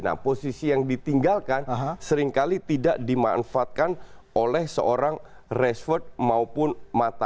nah posisi yang ditinggalkan seringkali tidak dimanfaatkan oleh seorang rashford maupun mata